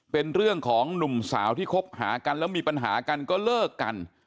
เป็นเรื่องของหนุ่มสาวที่คบหากันแล้วมีปัญหากันก็เลิกกัน